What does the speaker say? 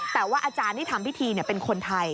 แต่ว่าอาจารย์ที่ทำพิธีเป็นคนไทย